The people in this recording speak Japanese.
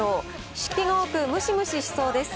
湿気が多くムシムシしそうです。